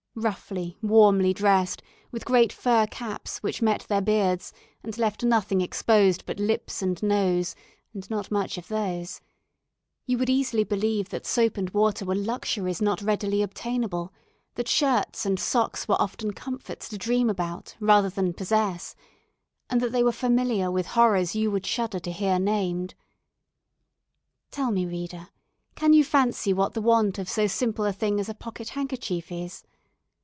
Roughly, warmly dressed, with great fur caps, which met their beards and left nothing exposed but lips and nose, and not much of those; you would easily believe that soap and water were luxuries not readily obtainable, that shirts and socks were often comforts to dream about rather than possess, and that they were familiar with horrors you would shudder to hear named. Tell me, reader, can you fancy what the want of so simple a thing as a pocket handkerchief is?